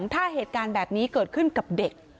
ถ้าเหตุการณ์แบบนี้เกิดขึ้นกับเด็ก